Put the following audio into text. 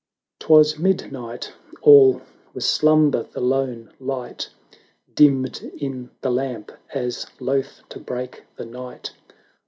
200 XII. 'Twas midnight — all was slumber; the lone light Dimmed in the lamp, as loth to break the night.